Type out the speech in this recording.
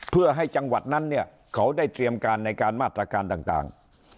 เพื่อให้จังหวัดนั้นเนี่ยเขาได้เตรียมการในการมาตรการต่าง